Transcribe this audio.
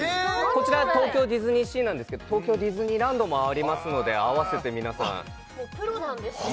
こちらは東京ディズニーシーなんですけど東京ディズニーランドもありますので合わせて皆さんもうプロなんですね